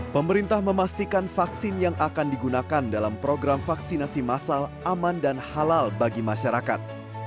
pemerintah memastikan vaksin yang akan digunakan dalam program vaksinasi masal aman dan halal bagi masyarakat